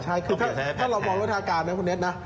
ใช่คือถ้าเรามองรูปรัฐการณ์นะคุณเน็ตนะ